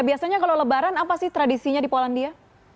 biasanya kalau lebaran apa sih tradisinya di polandia